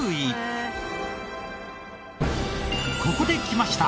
ここできました。